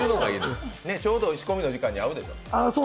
ちょうど仕込みの時間に合うでしょう？